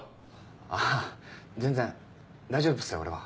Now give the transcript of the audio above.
あぁ全然大丈夫っすよ俺は。